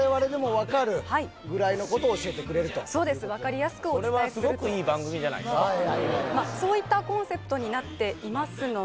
分かりやすくお伝えするこれはすごくいい番組じゃないですかそういったコンセプトになっていますので